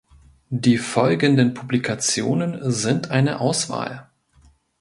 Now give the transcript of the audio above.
Die folgenden Publikationen sind eine Auswahl.